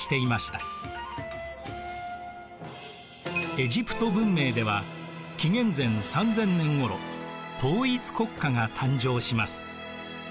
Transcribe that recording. エジプト文明では紀元前３０００年ごろ統一国家が誕生します。